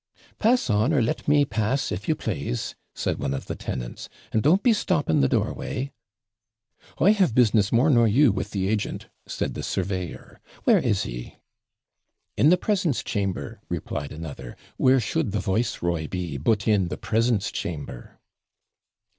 'Pass on, or let me pass, if you PLASE,' said one of the tenants; 'and don't be stopping the doorway.' 'I have business more nor you with the agent,' said the surveyor; 'where is he?' 'In the PRESENCE CHAMBER,' replied another; 'where should the viceroy be but in the PRESENCE CHAMBER?'